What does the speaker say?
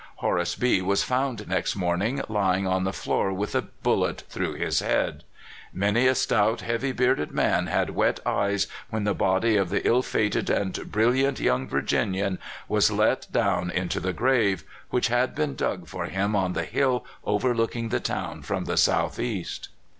Horace B was found next morning lying on the floor with a bullet through his head. Many a stout, heavy bearded man had wet eyes when the body of the ill fated and brilliant young Virginian was let down into the grave, which had been dug for him on the hill overlooking^ the town from the southeast.